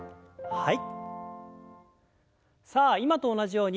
はい。